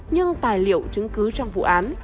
nhưng tài liệu chứng cứ trong vụ án